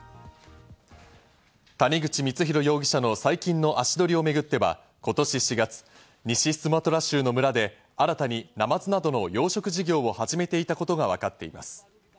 谷口光弘容疑者の最近の足取りをめぐっては今年４月、西スマトラ州の村で新たにナマズなどの養殖事業を始めていたことがわかっています。